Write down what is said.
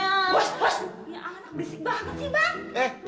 ya anak bisik banget sih bang